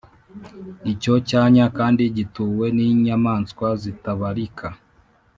icyo cyanya kandi gituwe n’inyamaswa zitabarika